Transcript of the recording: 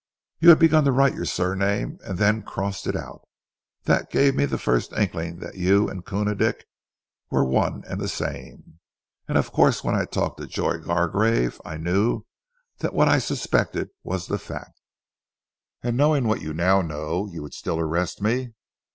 You had begun to write your surname and then crossed it out. That gave me the first inkling that you and Koona Dick were one and the same, and of course when I talked to Joy Gargrave I knew that what I suspected was the fact." "And knowing what you now know, you would still arrest me?"